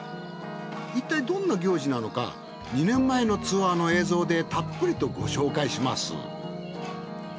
いったいどんな行事なのか２年前のツアーの映像でたっぷりとご紹介します。